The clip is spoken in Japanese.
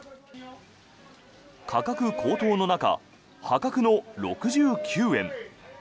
価格高騰の中、破格の６９円。